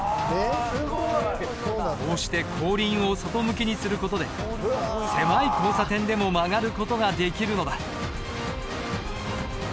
こうして後輪を外向きにする事で狭い交差点でも曲がる事ができるのだ。